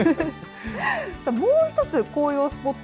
もう一つ紅葉スポット